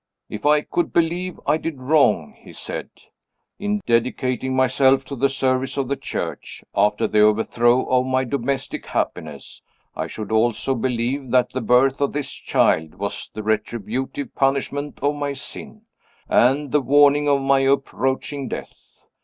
'If I could believe I did wrong,' he said, 'in dedicating myself to the service of the Church, after the overthrow of my domestic happiness, I should also believe that the birth of this child was the retributive punishment of my sin, and the warning of my approaching death.